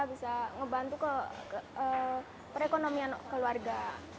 bisa ngebantu ke perekonomian keluarga